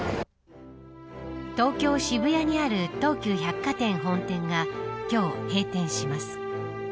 東京、渋谷にある東急百貨店本店が今日、閉店します。